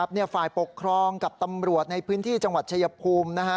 ฝ่ายปกครองกับตำรวจในพื้นที่จังหวัดชายภูมิ